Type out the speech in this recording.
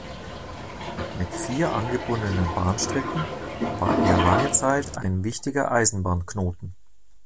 Mit vier angebundenen Bahnstrecken war er lange Zeit ein wichtiger Eisenbahnknoten.